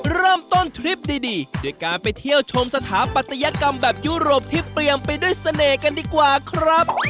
เริ่มต้นทริปดีด้วยการไปเที่ยวชมสถาปัตยกรรมแบบยุโรปที่เปรียมไปด้วยเสน่ห์กันดีกว่าครับ